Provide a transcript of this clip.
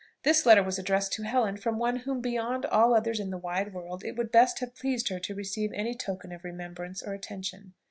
This letter was addressed to Helen from one whom beyond all others in the wide world it would best have pleased her to receive any token of remembrance or attention.